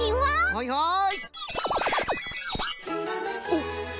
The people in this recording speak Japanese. はいはい。